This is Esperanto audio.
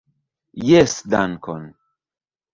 Jes dankon!